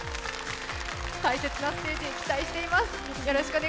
大切なステージ期待しています。